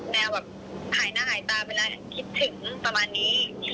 แบบหายหน้าหายตาไปแล้วคิดถึงประมาณนี้